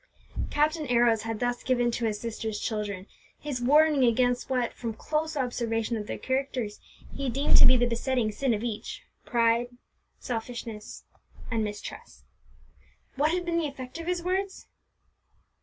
Captain Arrows had thus given to his sister's children his warning against what, from close observation of their characters, he deemed to be the besetting sin of each, pride, selfishness, and mistrust. What had been the effect of his words?